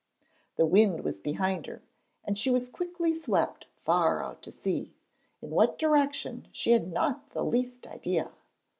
The wind was behind her and she was quickly swept far out to sea, in what direction she had not the least idea.